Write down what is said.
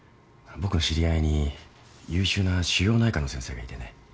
僕の知り合いに優秀な腫瘍内科の先生がいてね。